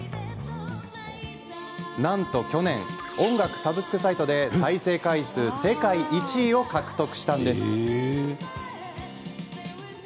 なんと去年音楽サブスクサイトで再生回数世界１位を獲得したんです。